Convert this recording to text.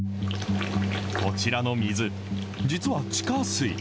こちらの水、実は地下水。